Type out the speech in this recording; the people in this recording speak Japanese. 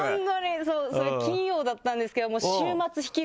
そうそれ金曜だったんですけど。